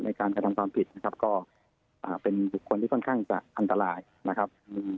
กระทำความผิดนะครับก็เป็นบุคคลที่ค่อนข้างจะอันตรายนะครับ